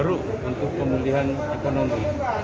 untuk pemulihan ekonomi